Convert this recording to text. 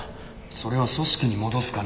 それは組織に戻す金。